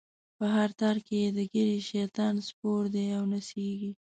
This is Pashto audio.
په هر تار کی یی د ږیری، شیطان سپور دی او نڅیږی